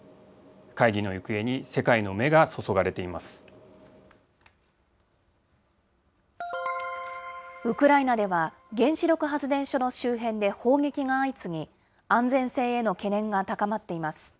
会議の行方に世界の目が注がれてウクライナでは、原子力発電所の周辺で砲撃が相次ぎ、安全性への懸念が高まっています。